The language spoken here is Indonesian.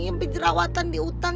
sampai jerawatan di hutan